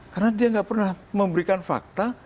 karena dia tidak pernah memberikan fakta